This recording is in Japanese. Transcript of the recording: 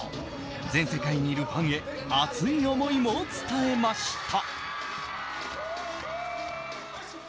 全世界にいるファンへ熱い思いも伝えました。